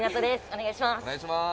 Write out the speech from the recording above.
お願いします。